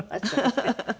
ハハハハ！